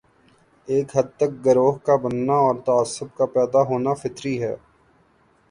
ایک حد تک گروہ کا بننا اور تعصب کا پیدا ہونا فطری ہے۔